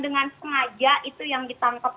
dengan sengaja itu yang ditangkap